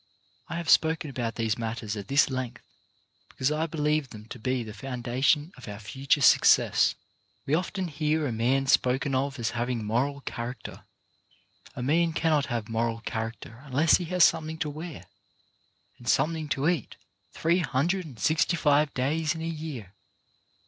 I have spoken about these matters at this length because I believe them to be the foundation of our future success. We often hear a man spoken of as having moral character. A man cannot have moral character unless he has something to wear, and something to eat three hundred and sixty five days in a year.